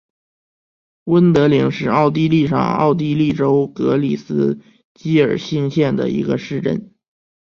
温德灵是奥地利上奥地利州格里斯基尔兴县的一个市镇。